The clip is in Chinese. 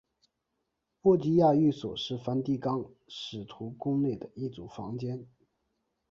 波吉亚寓所是梵蒂冈使徒宫内的一组房间。